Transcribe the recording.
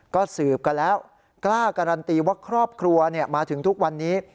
ก็สืบกันแล้วกล้าการันตีว่าครอบครัวมาถึงทุกวันนี้